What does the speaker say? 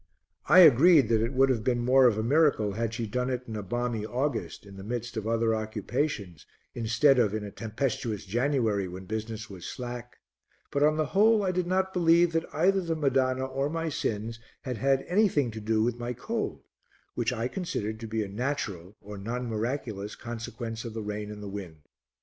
I agreed that it would have been more of a miracle had she done it in a balmy August, in the midst of other occupations, instead of in a tempestuous January when business was slack; but, on the whole, I did not believe that either the Madonna or my sins had had anything to do with my cold which I considered to be a natural, or non miraculous, consequence of the rain and the wind.